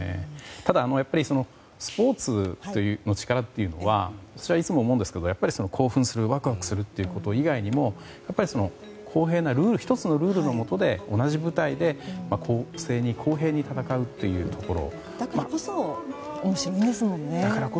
ただ、スポーツという力はいつも思うんですけど興奮するワクワクするということ以外にも公平な１つのルールのもとで同じ舞台で公正に公平に戦うというところ。